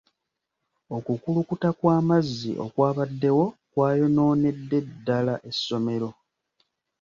Okukulukuta kw'amazzi okwabaddewo kwayonoonedde ddaala essomero.